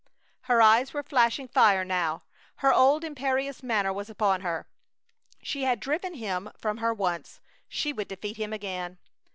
Her eyes were flashing fire now. Her old imperious manner was upon her. She had driven him from her once! She would defeat him again!